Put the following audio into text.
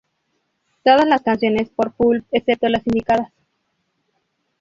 Todas las canciones por Pulp excepto las indicadas.